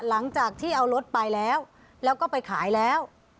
หลังจากที่เอารถไปแล้วแล้วก็ไปขายแล้ว